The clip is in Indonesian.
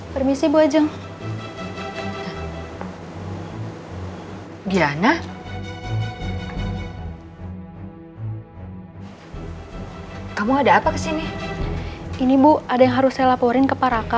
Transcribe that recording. permisi bu ajeng